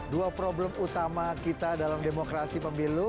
dua problem utama kita dalam demokrasi pemilu